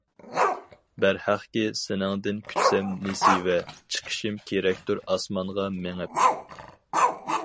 بەرھەقكى، سېنىڭدىن كۈتسەم نېسىۋە، چىقىشىم كېرەكتۇر ئاسمانغا مېڭىپ.